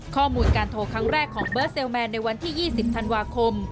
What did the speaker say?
ข้อมูลการโทรครั้งแรกของเบิร์ดเซลแมนในวันที่๒๐ธันวาคม